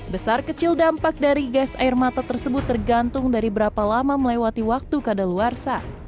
besar kecil dampak dari gas air mata tersebut tergantung dari berapa lama melewati waktu kadaluarsa